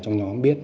trong nhóm biết